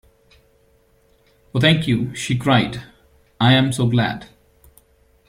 Oh thank you! she cried. I am so glad!